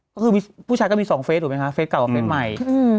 ก็คือผู้ชายก็มีสองเฟสถูกไหมคะเฟสเก่ากับเฟสใหม่